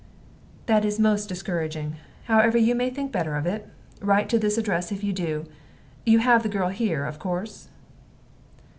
"That is most discouraging. However, you may think better of it. Write to this address if you do. You have the girl here, of course?"